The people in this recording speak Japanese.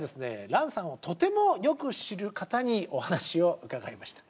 蘭さんをとてもよく知る方にお話を伺いました。